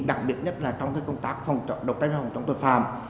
đặc biệt nhất là trong cái công tác phòng trọng độc tranh phòng trọng tội phạm